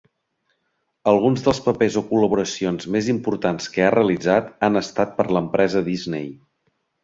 Alguns dels papers o col·laboracions més importants que ha realitzat han estat per l'empresa Disney.